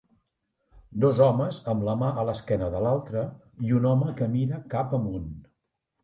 Dos homes amb la mà a l'esquena de l'altre i un home que mira cap amunt.